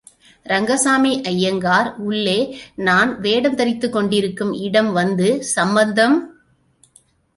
ரங்கசாமி ஐயங்கார் உள்ளே நான் வேடம் தரித்துக்கொண்டிருக்கும் இடம் வந்து, சம்பந்தம்!